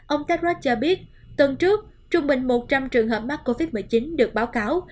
ông tedrock cho biết tuần trước trung bình một trăm linh trường hợp mắc covid một mươi chín được báo cáo